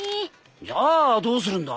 じゃあどうするんだ？